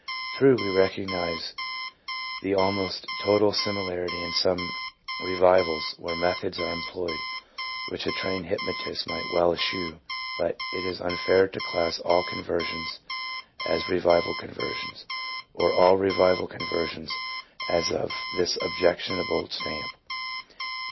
True, we recognize the almost total similarity in some revivals where methods are employed which a trained hypnotist might well eschew; but it is unfair to class all conversions as revival conversions, or all revival conversions as of this objectionable stamp.